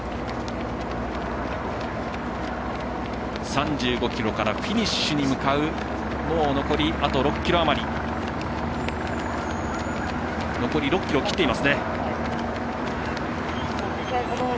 ３５ｋｍからフィニッシュに向かうもう残りあと６ｋｍ切っています。